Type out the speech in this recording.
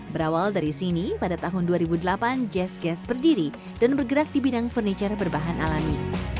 berawal dari sini pada tahun dua ribu delapan jazz jazz berdiri dan bergerak di bidang furniture berbahan alami